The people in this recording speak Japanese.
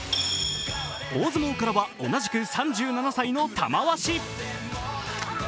大相撲からは同じく３７歳の玉鷲。